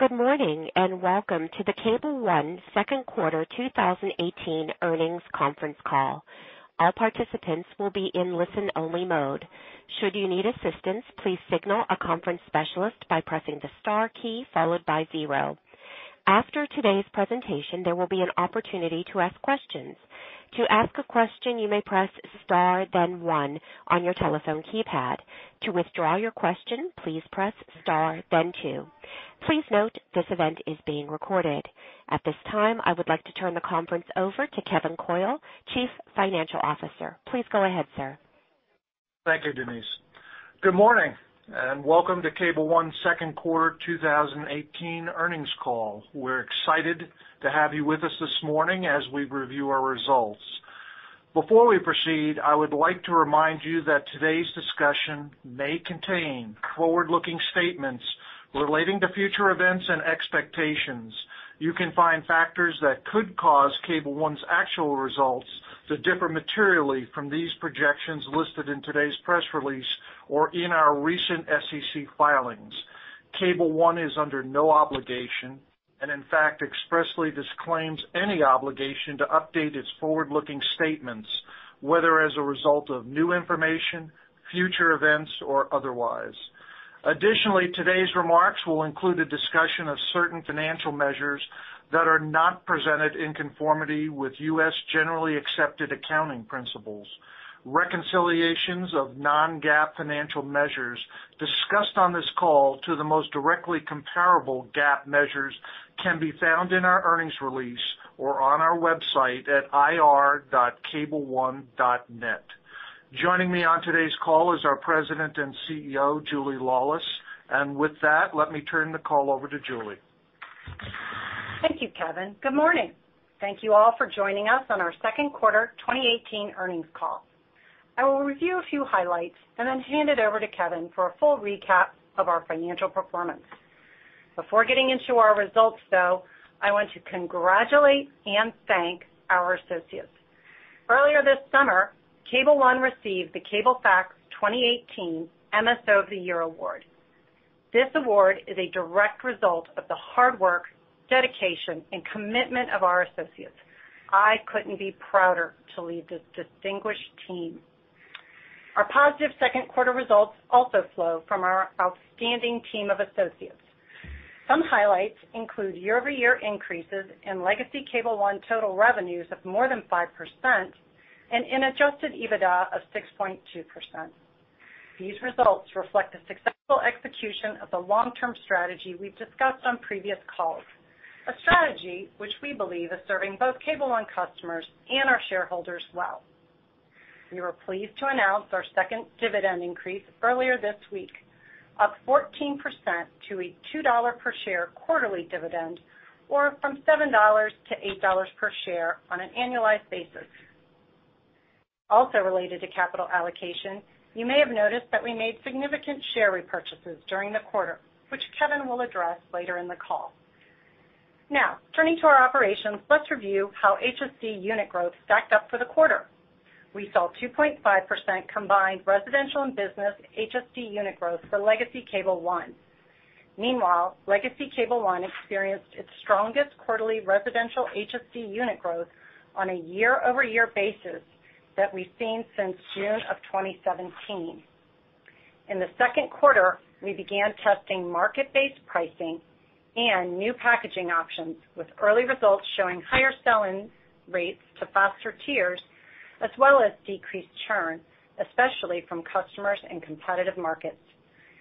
Good morning, welcome to the Cable One second quarter 2018 earnings conference call. All participants will be in listen-only mode. Should you need assistance, please signal a conference specialist by pressing the star key followed by 0. After today's presentation, there will be an opportunity to ask questions. To ask a question, you may press star then one on your telephone keypad. To withdraw your question, please press star then two. Please note this event is being recorded. At this time, I would like to turn the conference over to Kevin Coyle, Chief Financial Officer. Please go ahead, sir. Thank you, Denise. Good morning, welcome to Cable One's second quarter 2018 earnings call. We're excited to have you with us this morning as we review our results. Before we proceed, I would like to remind you that today's discussion may contain forward-looking statements relating to future events and expectations. You can find factors that could cause Cable One's actual results to differ materially from these projections listed in today's press release or in our recent SEC filings. Cable One is under no obligation, in fact, expressly disclaims any obligation to update its forward-looking statements, whether as a result of new information, future events, or otherwise. Additionally, today's remarks will include a discussion of certain financial measures that are not presented in conformity with U.S. generally accepted accounting principles. Reconciliations of non-GAAP financial measures discussed on this call to the most directly comparable GAAP measures can be found in our earnings release or on our website at ir.cableone.net. Joining me on today's call is our President and CEO, Julia Laulis. With that, let me turn the call over to Julie. Thank you, Kevin. Good morning. Thank you all for joining us on our second quarter 2018 earnings call. I will review a few highlights then hand it over to Kevin for a full recap of our financial performance. Before getting into our results, though, I want to congratulate and thank our associates. Earlier this summer, Cable One received the Cablefax 2018 MSO of the Year Award. This Award is a direct result of the hard work, dedication, and commitment of our associates. I couldn't be prouder to lead this distinguished team. Our positive second quarter results also flow from our outstanding team of associates. Some highlights include year-over-year increases in legacy Cable One total revenues of more than 5% and in adjusted EBITDA of 6.2%. These results reflect the successful execution of the long-term strategy we've discussed on previous calls, a strategy which we believe is serving both Cable One customers and our shareholders well. We were pleased to announce our second dividend increase earlier this week, up 14% to a $2 per share quarterly dividend, or from $7 to $8 per share on an annualized basis. Also related to capital allocation, you may have noticed that we made significant share repurchases during the quarter, which Kevin will address later in the call. Now, turning to our operations, let's review how HSD unit growth stacked up for the quarter. We saw 2.5% combined residential and business HSD unit growth for legacy Cable One. Meanwhile, legacy Cable One experienced its strongest quarterly residential HSD unit growth on a year-over-year basis that we've seen since June of 2017. In the second quarter, we began testing market-based pricing and new packaging options, with early results showing higher sell-in rates to faster tiers, as well as decreased churn, especially from customers in competitive markets.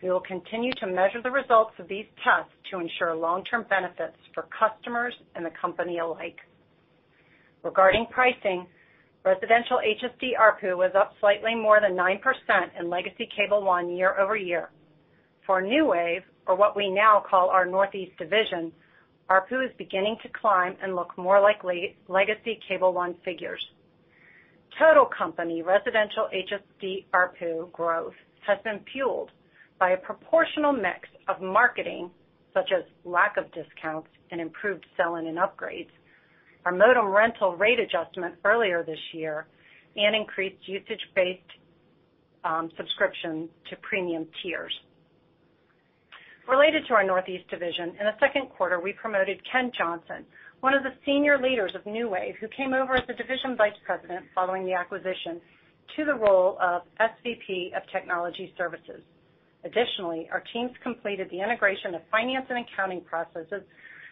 We will continue to measure the results of these tests to ensure long-term benefits for customers and the company alike. Regarding pricing, residential HSD ARPU was up slightly more than 9% in legacy Cable One year-over-year. For NewWave, or what we now call our Northeast division, ARPU is beginning to climb and look more like legacy Cable One figures. Total company residential HSD ARPU growth has been fueled by a proportional mix of marketing, such as lack of discounts and improved sell-in and upgrades, our modem rental rate adjustment earlier this year, and increased usage-based subscription to premium tiers. Related to our Northeast division, in the second quarter, we promoted Ken Johnson, one of the senior leaders of NewWave, who came over as a division vice president following the acquisition, to the role of SVP of Technology Services. Additionally, our teams completed the integration of finance and accounting processes,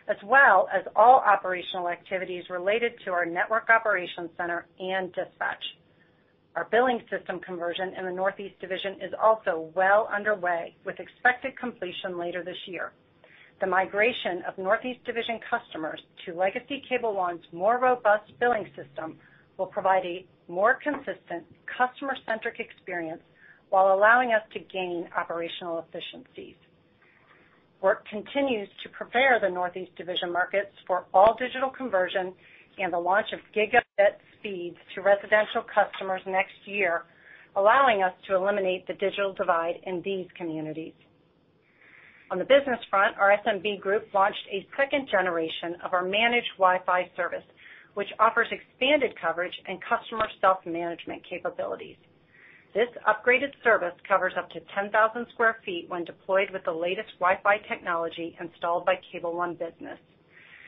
as well as all operational activities related to our network operations center and dispatch. Our billing system conversion in the Northeast division is also well underway, with expected completion later this year. The migration of Northeast division customers to legacy Cable One's more robust billing system will provide a more consistent customer-centric experience while allowing us to gain operational efficiencies. Work continues to prepare the Northeast division markets for all digital conversion and the launch of gigabit speeds to residential customers next year, allowing us to eliminate the digital divide in these communities. On the business front, our SMB group launched a second generation of our managed Wi-Fi service, which offers expanded coverage and customer self-management capabilities. This upgraded service covers up to 10,000 sq ft when deployed with the latest Wi-Fi technology installed by Cable One Business.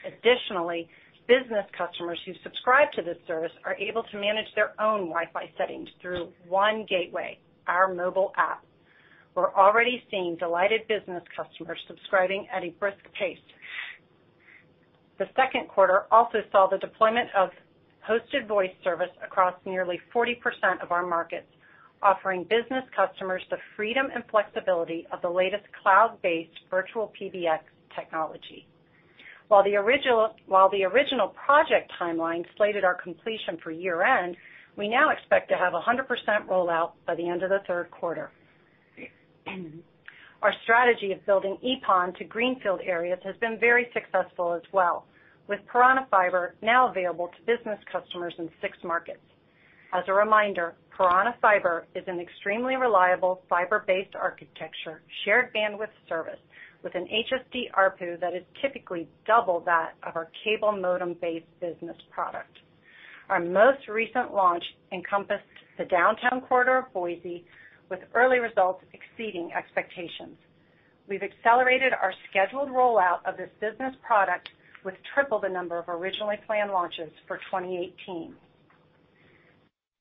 Additionally, business customers who subscribe to this service are able to manage their own Wi-Fi settings through ONE Gateway, our mobile app. We're already seeing delighted business customers subscribing at a brisk pace. The second quarter also saw the deployment of hosted voice service across nearly 40% of our markets, offering business customers the freedom and flexibility of the latest cloud-based virtual PBX technology. While the original project timeline slated our completion for year-end, we now expect to have 100% rollout by the end of the third quarter. Our strategy of building EPON to greenfield areas has been very successful as well, with Piranha Fiber now available to business customers in six markets. As a reminder, Piranha Fiber is an extremely reliable fiber-based architecture, shared bandwidth service with an HSD ARPU that is typically double that of our cable modem-based business product. Our most recent launch encompassed the downtown corridor of Boise, with early results exceeding expectations. We've accelerated our scheduled rollout of this business product with triple the number of originally planned launches for 2018.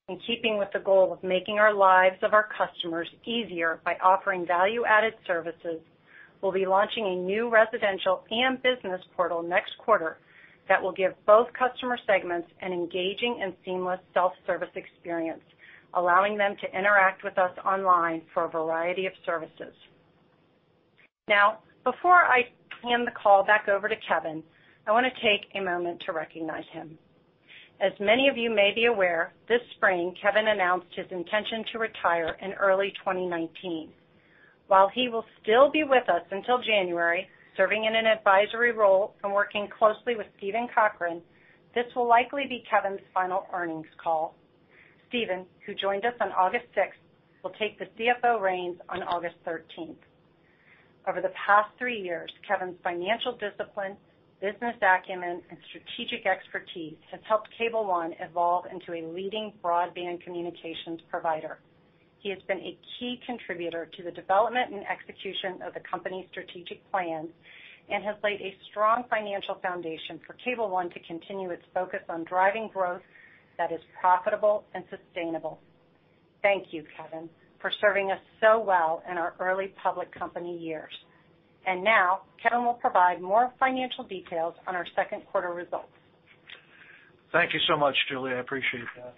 In keeping with the goal of making our lives of our customers easier by offering value-added services, we'll be launching a new residential and business portal next quarter that will give both customer segments an engaging and seamless self-service experience, allowing them to interact with us online for a variety of services. Before I hand the call back over to Kevin, I want to take a moment to recognize him. Many of you may be aware, this spring, Kevin announced his intention to retire in early 2019. He will still be with us until January, serving in an advisory role and working closely with Stephen Cochran, this will likely be Kevin's final earnings call. Stephen, who joined us on August 6th, will take the CFO reins on August 13th. Over the past three years, Kevin's financial discipline, business acumen, and strategic expertise has helped Cable One evolve into a leading broadband communications provider. He has been a key contributor to the development and execution of the company's strategic plans and has laid a strong financial foundation for Cable One to continue its focus on driving growth that is profitable and sustainable. Thank you, Kevin, for serving us so well in our early public company years. Kevin will provide more financial details on our second quarter results. Thank you so much, Julie. I appreciate that.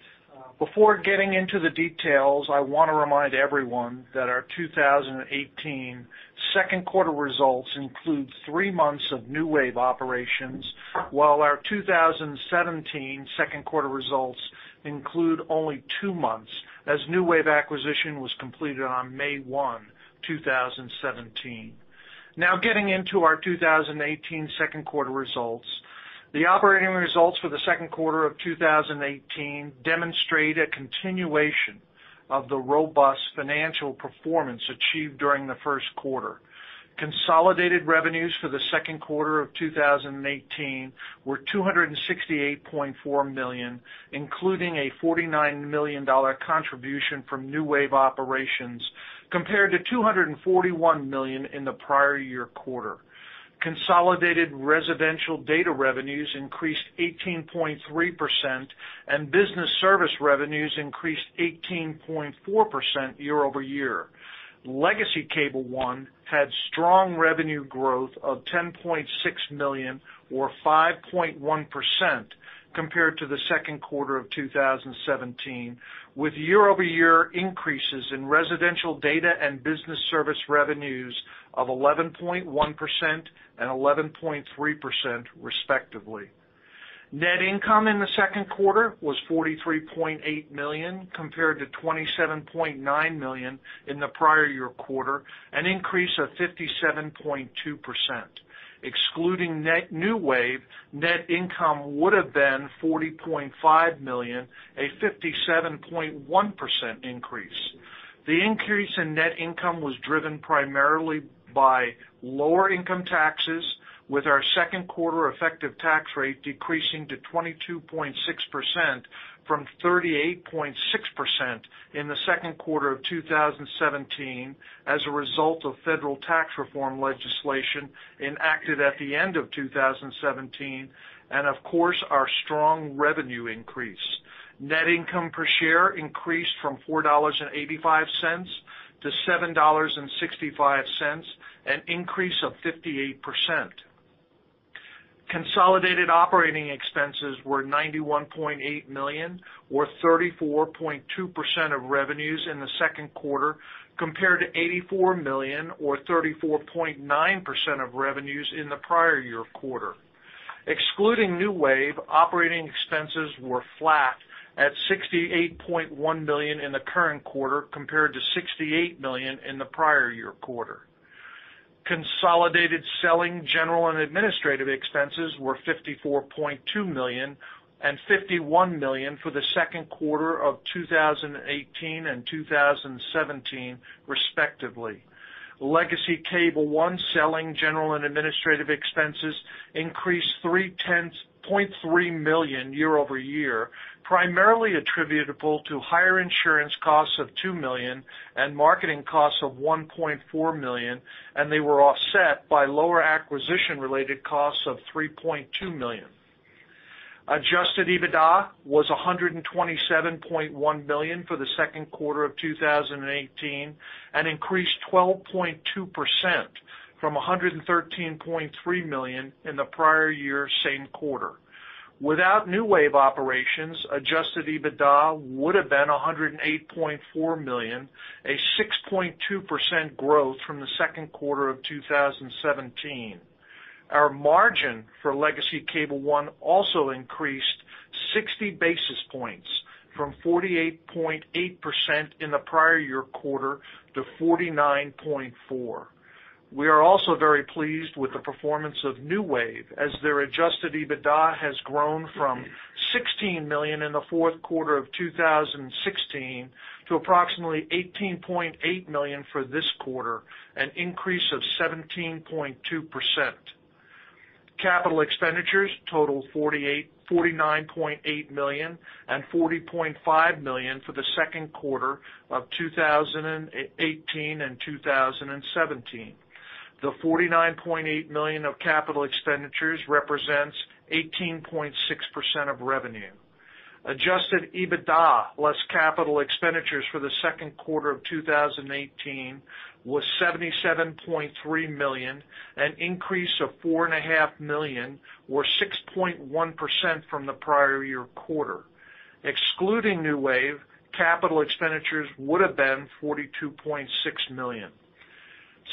Before getting into the details, I want to remind everyone that our 2018 second quarter results include three months of NewWave operations, while our 2017 second quarter results include only two months, as NewWave acquisition was completed on May 1, 2017. Getting into our 2018 second quarter results. The operating results for the second quarter of 2018 demonstrate a continuation of the robust financial performance achieved during the first quarter. Consolidated revenues for the second quarter of 2018 were $268.4 million, including a $49 million contribution from NewWave operations, compared to $241 million in the prior year quarter. Consolidated residential data revenues increased 18.3%, and business service revenues increased 18.4% year-over-year. Legacy Cable One had strong revenue growth of $10.6 million or 5.1% compared to the second quarter of 2017, with year-over-year increases in residential data and business service revenues of 11.1% and 11.3% respectively. Net income in the second quarter was $43.8 million, compared to $27.9 million in the prior year quarter, an increase of 57.2%. Excluding net NewWave, net income would have been $40.5 million, a 57.1% increase. The increase in net income was driven primarily by lower income taxes with our second quarter effective tax rate decreasing to 22.6% from 38.6% in the second quarter of 2017 as a result of federal tax reform legislation enacted at the end of 2017, of course, our strong revenue increase. Net income per share increased from $4.85 to $7.65, an increase of 58%. Consolidated operating expenses were $91.8 million or 34.2% of revenues in the second quarter, compared to $84 million or 34.9% of revenues in the prior year quarter. Excluding NewWave, operating expenses were flat at $68.1 million in the current quarter compared to $68 million in the prior year quarter. Consolidated selling, general, and administrative expenses were $54.2 million and $51 million for the second quarter of 2018 and 2017, respectively. Legacy Cable One selling, general, and administrative expenses increased $3.3 million year-over-year, primarily attributable to higher insurance costs of $2 million and marketing costs of $1.4 million. They were offset by lower acquisition-related costs of $3.2 million. Adjusted EBITDA was $127.1 million for the second quarter of 2018, an increase 12.2% from $113.3 million in the prior year same quarter. Without NewWave operations, adjusted EBITDA would've been $108.4 million, a 6.2% growth from the second quarter of 2017. Our margin for legacy Cable One also increased 60 basis points from 48.8% in the prior year quarter to 49.4%. We are also very pleased with the performance of NewWave as their adjusted EBITDA has grown from $16 million in the fourth quarter of 2016 to approximately $18.8 million for this quarter, an increase of 17.2%. Capital expenditures total $49.8 million and $40.5 million for the second quarter of 2018 and 2017. The $49.8 million of capital expenditures represents 18.6% of revenue. Adjusted EBITDA less capital expenditures for the second quarter of 2018 was $77.3 million, an increase of $four and a half million or 6.1% from the prior year quarter. Excluding NewWave, capital expenditures would've been $42.6 million.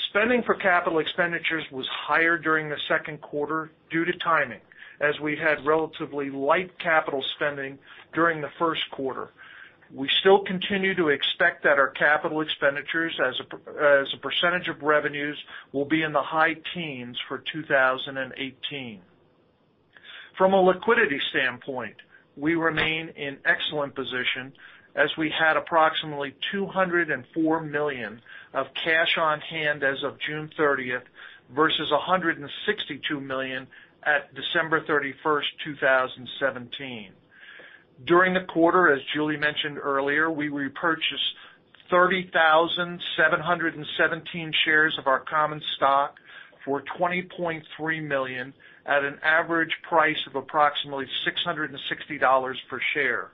Spending for capital expenditures was higher during the second quarter due to timing, as we had relatively light capital spending during the first quarter. We still continue to expect that our capital expenditures as a percentage of revenues will be in the high teens for 2018. From a liquidity standpoint, we remain in excellent position as we had approximately $204 million of cash on hand as of June 30th versus $162 million at December 31st, 2017. During the quarter, as Julie mentioned earlier, we repurchased 30,717 shares of our common stock for $20.3 million at an average price of approximately $660 per share.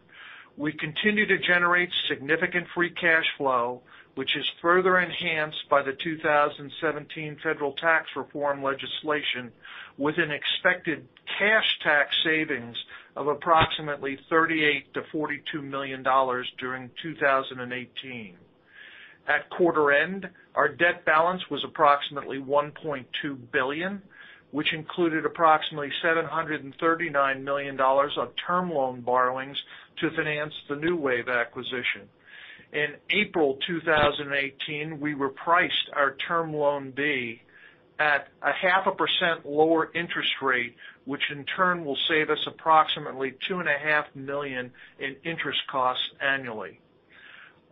We continue to generate significant free cash flow, which is further enhanced by the 2017 federal tax reform legislation with an expected cash tax savings of approximately $38 million to $42 million during 2018. At quarter end, our debt balance was approximately $1.2 billion, which included approximately $739 million of Term Loan borrowings to finance the NewWave acquisition. In April 2018, we repriced our Term Loan B at a half a percent lower interest rate, which in turn will save us approximately two and a half million in interest costs annually.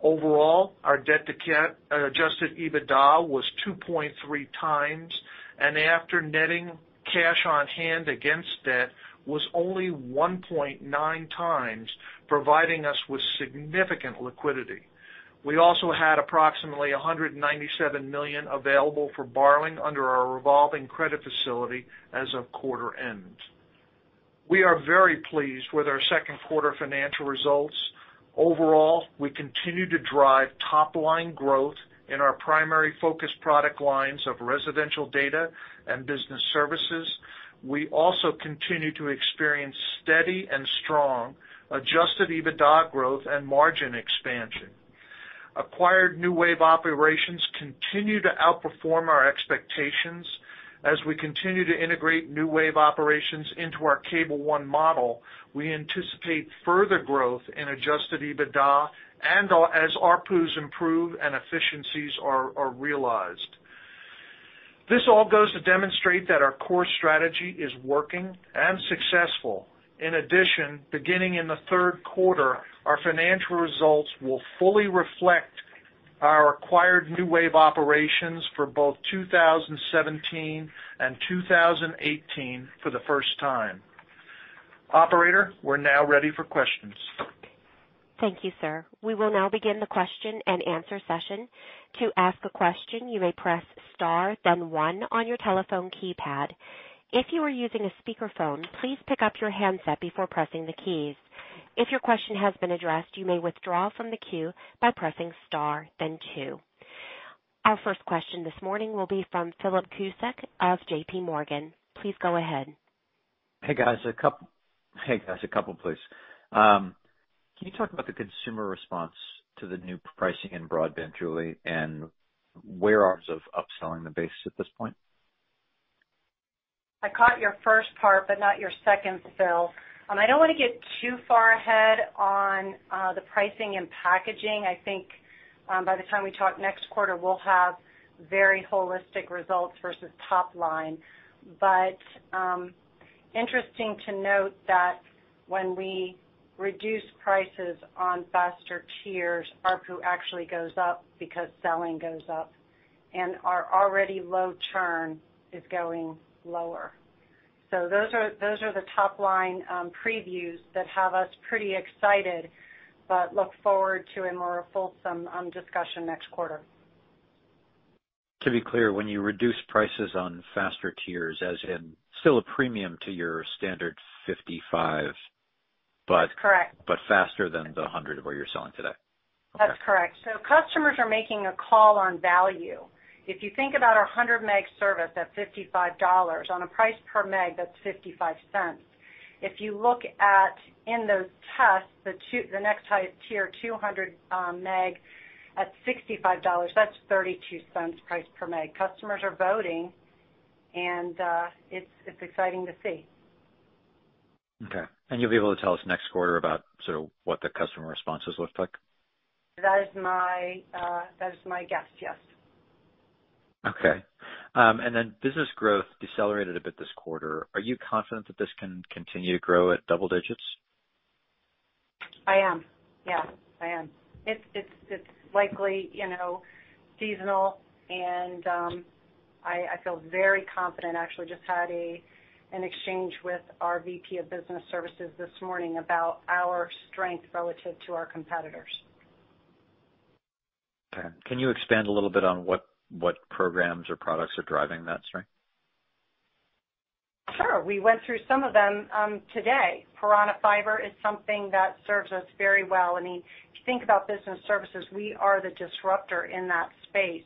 Overall, our debt to adjusted EBITDA was 2.3 times, and after netting cash on hand against debt was only 1.9 times, providing us with significant liquidity. We also had approximately $197 million available for borrowing under our revolving credit facility as of quarter end. We are very pleased with our second quarter financial results. Overall, we continue to drive top-line growth in our primary focus product lines of residential data and business services. We also continue to experience steady and strong adjusted EBITDA growth and margin expansion. Acquired NewWave operations continue to outperform our expectations. As we continue to integrate NewWave operations into our Cable One model, we anticipate further growth in adjusted EBITDA and as ARPUs improve and efficiencies are realized. This all goes to demonstrate that our core strategy is working and successful. In addition, beginning in the third quarter, our financial results will fully reflect our acquired NewWave operations for both 2017 and 2018 for the first time. Operator, we're now ready for questions. Thank you, sir. We will now begin the question and answer session. To ask a question, you may press star then one on your telephone keypad. If you are using a speakerphone, please pick up your handset before pressing the keys. If your question has been addressed, you may withdraw from the queue by pressing star then two. Our first question this morning will be from Philip Cusick of J.P. Morgan. Please go ahead. Hey, guys. A couple, please. Can you talk about the consumer response to the new pricing in broadband, Julie, where are upselling the base at this point? I caught your first part but not your second, Phil. I don't want to get too far ahead on the pricing and packaging. I think by the time we talk next quarter, we'll have very holistic results versus top line. Interesting to note that when we reduce prices on faster tiers, ARPU actually goes up because selling goes up, and our already low churn is going lower. Those are the top-line previews that have us pretty excited, but look forward to a more fulsome discussion next quarter. To be clear, when you reduce prices on faster tiers as in still a premium to your standard 55. Correct Faster than the 100 where you're selling today. That's correct. Customers are making a call on value. If you think about our 100 Meg service at $55 on a price per Meg, that's $0.55. If you look at, in those tests, the next highest tier 200 Meg at $65, that's $0.32 price per Meg. Customers are voting, and it's exciting to see. Okay. You'll be able to tell us next quarter about sort of what the customer responses look like? That is my guess. Yes. Okay. Business growth decelerated a bit this quarter. Are you confident that this can continue to grow at double digits? I am. Yeah, I am. It's likely seasonal and I feel very confident. Actually, just had an exchange with our VP of business services this morning about our strength relative to our competitors. Okay. Can you expand a little bit on what programs or products are driving that strength? Sure. We went through some of them today. Piranha Fiber is something that serves us very well. If you think about business services, we are the disruptor in that space.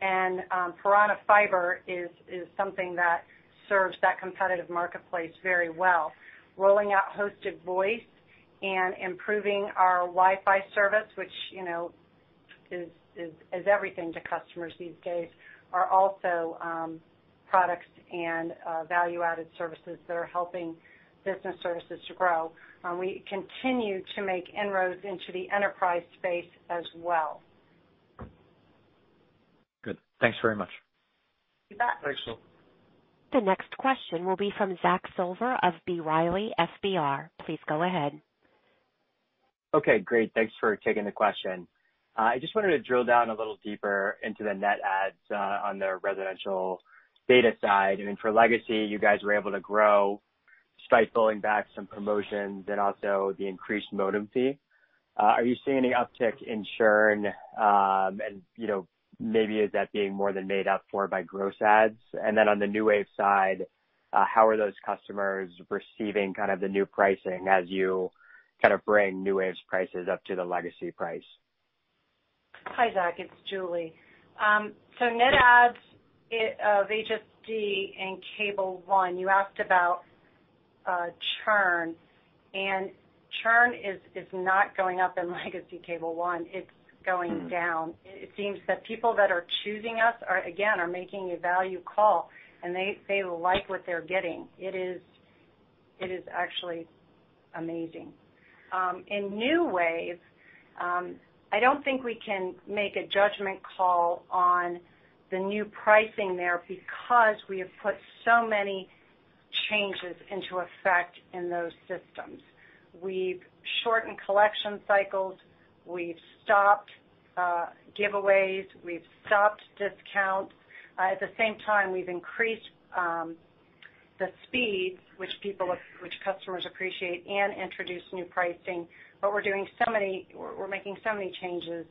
Piranha Fiber is something that serves that competitive marketplace very well. Rolling out hosted voice and improving our WiFi service, which is everything to customers these days, are also products and value-added services that are helping business services to grow. We continue to make inroads into the enterprise space as well. Good. Thanks very much. You bet. Thanks. The next question will be from Zach Silver of B. Riley FBR. Please go ahead. Okay, great. Thanks for taking the question. I just wanted to drill down a little deeper into the net adds on the residential data side. Then for Legacy, you guys were able to grow despite pulling back some promotions and also the increased modem fee. Are you seeing any uptick in churn? Maybe is that being more than made up for by gross adds? Then on the NewWave side, how are those customers receiving kind of the new pricing as you kind of bring NewWave's prices up to the Legacy price? Hi, Zach, it's Julie. Net adds of HSD and Cable One, you asked about churn, and churn is not going up in Legacy Cable One. It's going down. It seems that people that are choosing us are, again, making a value call, and they like what they're getting. It is actually amazing. In NewWave, I don't think we can make a judgment call on the new pricing there because we have put so many changes into effect in those systems. We've shortened collection cycles. We've stopped giveaways. We've stopped discounts. At the same time, we've increased the speeds, which customers appreciate and introduced new pricing. We're making so many changes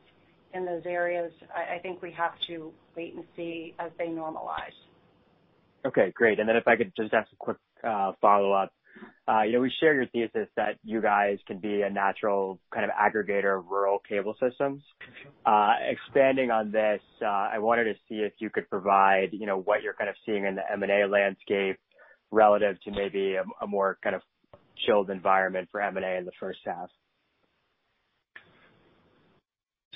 in those areas. I think we have to wait and see as they normalize. Okay, great. If I could just ask a quick follow-up. We share your thesis that you guys can be a natural kind of aggregator of rural cable systems. Expanding on this, I wanted to see if you could provide what you're kind of seeing in the M&A landscape relative to maybe a more kind of chilled environment for M&A in the first half.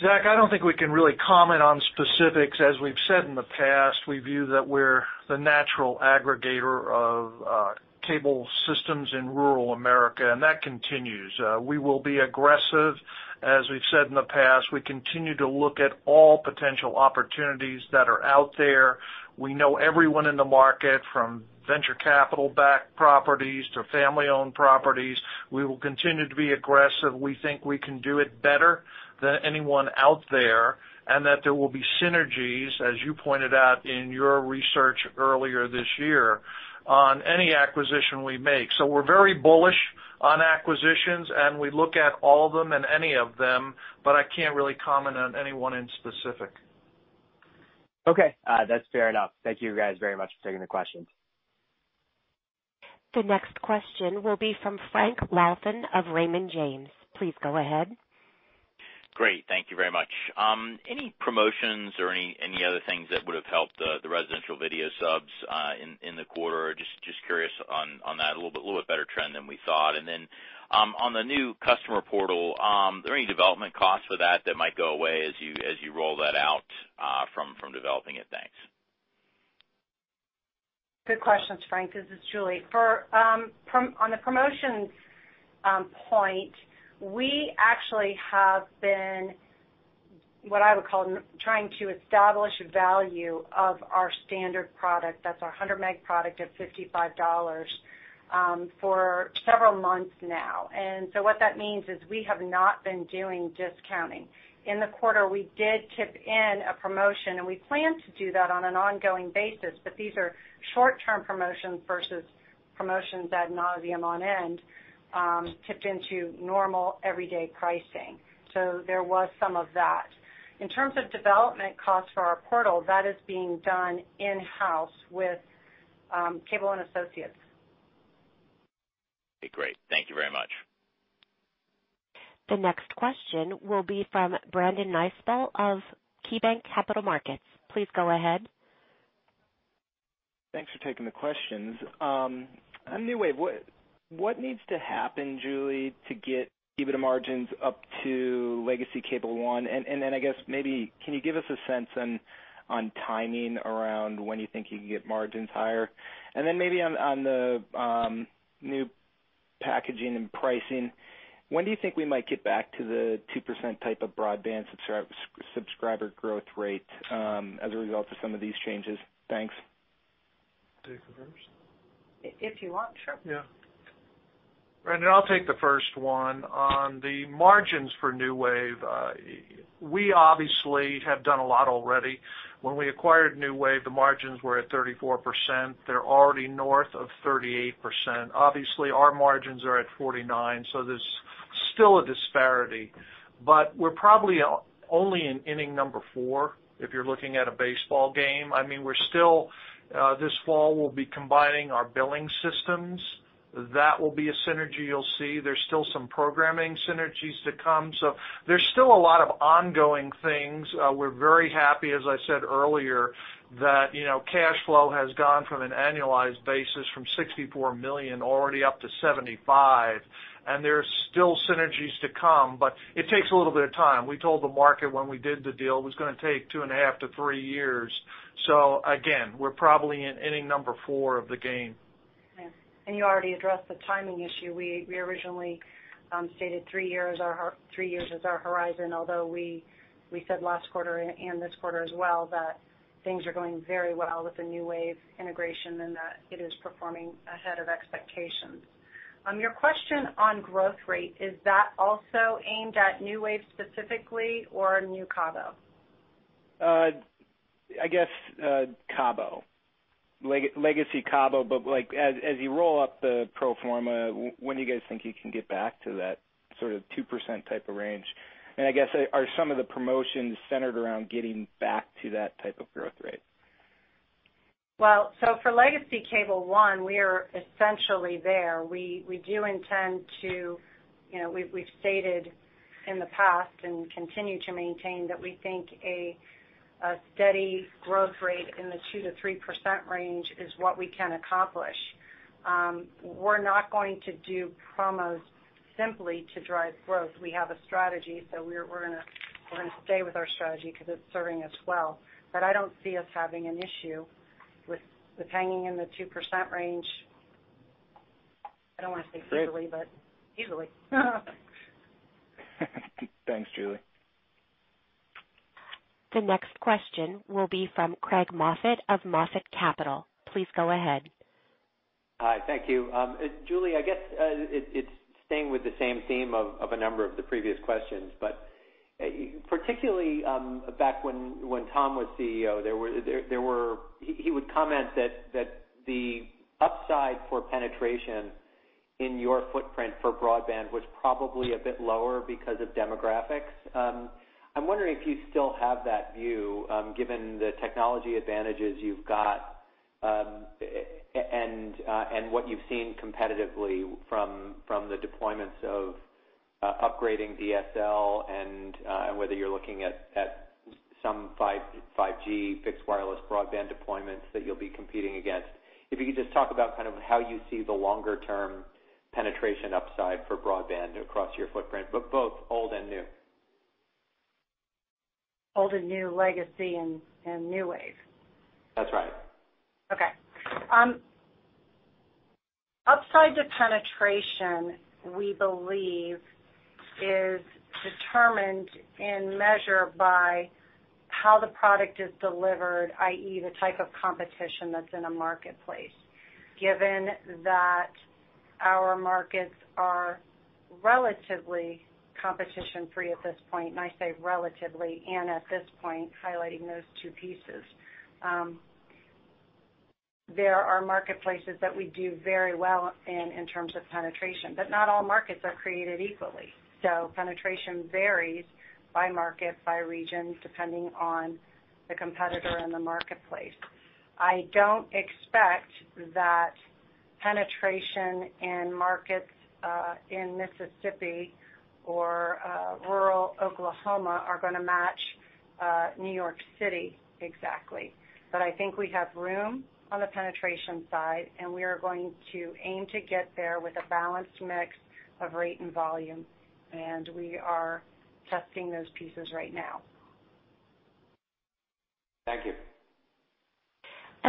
Zach, I don't think we can really comment on specifics. As we've said in the past, we view that we're the natural aggregator of cable systems in rural America, that continues. We will be aggressive. As we've said in the past, we continue to look at all potential opportunities that are out there. We know everyone in the market, from venture capital-backed properties to family-owned properties. We will continue to be aggressive. We think we can do it better than anyone out there, and that there will be synergies, as you pointed out in your research earlier this year, on any acquisition we make. We're very bullish on acquisitions, and we look at all of them and any of them, but I can't really comment on any one in specific. Okay. That's fair enough. Thank you guys very much for taking the questions. The next question will be from Frank Louthan of Raymond James. Please go ahead. Great. Thank you very much. Any promotions or any other things that would've helped the residential video subs in the quarter? Just curious on that. A little bit better trend than we thought. On the new customer portal, are there any development costs for that that might go away as you roll that out from developing it? Thanks. Good questions, Frank. This is Julie. On the promotions point, we actually have been What I would call trying to establish a value of our standard product, that's our 100 Meg product at $55 for several months now. What that means is we have not been doing discounting. In the quarter, we did tip in a promotion, and we plan to do that on an ongoing basis, but these are short-term promotions versus promotions ad nauseam on end, tipped into normal everyday pricing. There was some of that. In terms of development costs for our portal, that is being done in-house with Cable One associates. Great. Thank you very much. The next question will be from Brandon Nispel of KeyBanc Capital Markets. Please go ahead. Thanks for taking the questions. On NewWave, what needs to happen, Julie, to get EBITDA margins up to legacy Cable One? I guess maybe, can you give us a sense on timing around when you think you can get margins higher? Maybe on the new packaging and pricing, when do you think we might get back to the 2% type of broadband subscriber growth rate, as a result of some of these changes? Thanks. Take it first. If you want, sure. Brandon, I will take the first one. On the margins for NewWave, we obviously have done a lot already. When we acquired NewWave, the margins were at 34%. They are already north of 38%. Obviously, our margins are at 49%, so there is still a disparity, but we are probably only in inning 4, if you are looking at a baseball game. This fall, we will be combining our billing systems. That will be a synergy you will see. There is still some programming synergies to come. There is still a lot of ongoing things. We are very happy, as I said earlier, that cash flow has gone from an annualized basis from $64 million already up to $75 and there is still synergies to come, but it takes a little bit of time. We told the market when we did the deal it was going to take two and a half to three years. Again, we are probably in inning 4 of the game. You already addressed the timing issue. We originally stated three years as our horizon, although we said last quarter and this quarter as well, that things are going very well with the NewWave integration and that it is performing ahead of expectations. Your question on growth rate, is that also aimed at NewWave specifically or new Cable One? I guess legacy Cable One, as you roll up the pro forma, when do you guys think you can get back to that sort of 2% type of range? I guess are some of the promotions centered around getting back to that type of growth rate? For legacy Cable One, we are essentially there. We've stated in the past, and continue to maintain, that we think a steady growth rate in the 2%-3% range is what we can accomplish. We're not going to do promos simply to drive growth. We have a strategy, so we're going to stay with our strategy because it's serving us well, but I don't see us having an issue with hanging in the 2% range. I don't want to say easily, but easily. Thanks, Julie. The next question will be from Craig Moffett of MoffettNathanson. Please go ahead. Hi. Thank you. Julie, I guess it's staying with the same theme of a number of the previous questions, but particularly back when Tom was CEO, he would comment that the upside for penetration in your footprint for broadband was probably a bit lower because of demographics. I'm wondering if you still have that view, given the technology advantages you've got, and what you've seen competitively from the deployments of upgrading DSL and whether you're looking at some 5G fixed wireless broadband deployments that you'll be competing against. If you could just talk about kind of how you see the longer-term penetration upside for broadband across your footprint, both old and new. Old and new, legacy and NewWave? That's right. Okay. Upside to penetration, we believe, is determined and measured by how the product is delivered, i.e., the type of competition that's in a marketplace. Given that our markets are relatively competition-free at this point, and I say relatively and at this point, highlighting those two pieces. There are marketplaces that we do very well in in terms of penetration, but not all markets are created equally. Penetration varies by market, by region, depending on the competitor in the marketplace. I don't expect that penetration in markets in Mississippi or rural Oklahoma are going to match New York City exactly. I think we have room on the penetration side, and we are going to aim to get there with a balanced mix of rate and volume. We are testing those pieces right now. Thank you.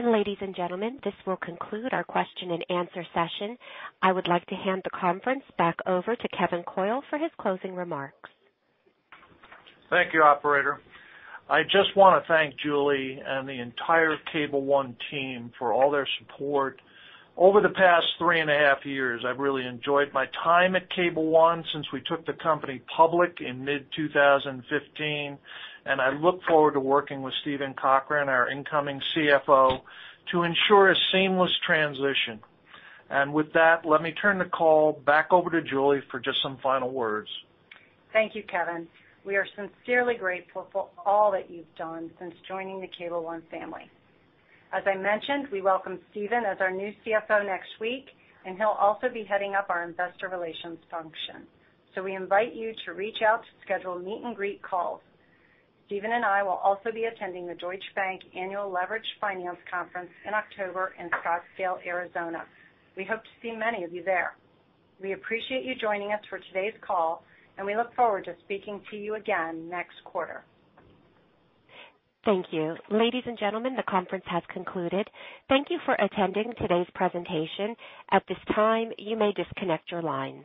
Ladies and gentlemen, this will conclude our question and answer session. I would like to hand the conference back over to Kevin Coyle for his closing remarks. Thank you, operator. I just want to thank Julie and the entire Cable One team for all their support over the past three and a half years. I've really enjoyed my time at Cable One since we took the company public in mid-2015, and I look forward to working with Steven Cochran, our incoming CFO, to ensure a seamless transition. With that, let me turn the call back over to Julie for just some final words. Thank you, Kevin. We are sincerely grateful for all that you've done since joining the Cable One family. As I mentioned, we welcome Steven as our new CFO next week, and he'll also be heading up our investor relations function. We invite you to reach out to schedule meet and greet calls. Steven and I will also be attending the Deutsche Bank Annual Leveraged Finance Conference in October in Scottsdale, Arizona. We hope to see many of you there. We appreciate you joining us for today's call, and we look forward to speaking to you again next quarter. Thank you. Ladies and gentlemen, the conference has concluded. Thank you for attending today's presentation. At this time, you may disconnect your lines.